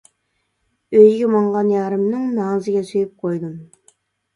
ئۆيىگە ماڭغان يارىمنىڭ، مەڭزىگە سۆيۈپ قويدۇم.